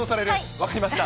分かりました。